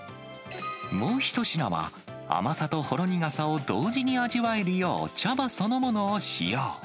もう一品は、甘さとほろ苦さを同時に味わえるよう、茶葉そのものを使用。